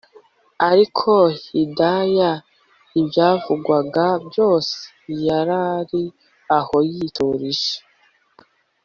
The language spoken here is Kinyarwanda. Ariko Hidaya ibyavugwaga byose yarari aho yiturije